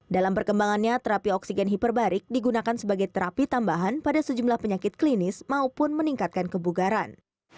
dalam perkembangannya terapi oksigen hiperbarik digunakan sebagai terapi tambahan pada sejumlah penyakit klinis maupun meningkatkan kebugaran